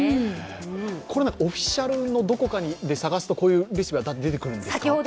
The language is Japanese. オフィシャルのどこかで探すとこういうレシピが出てくるんですか。